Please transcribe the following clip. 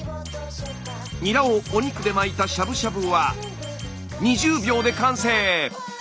ニラをお肉で巻いたしゃぶしゃぶは２０秒で完成。